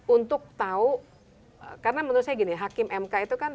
untuk tahu karena menurut saya gini hakim mk itu kan